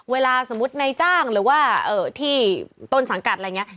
เวลาสมมุติในจ้างหรือว่าที่ต้นสังกัดอะไรอย่างนี้